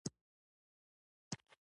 دوی دودیز طب ته وده ورکوي.